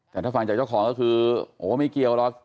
แต่ถ้าฟังจากเจ้าของก็คือโอ้ไม่เกี่ยวหรอก